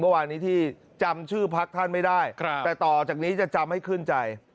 เมื่อวานนี้ที่จำชื่อพักท่านไม่ได้แต่ต่อจากนี้จะจำให้ขึ้นใจ